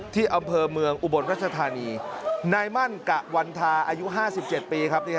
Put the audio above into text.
ที่อำเภอเมืองอุบลรัชธานีนายมั่นกะวันทาอายุ๕๗ปีครับ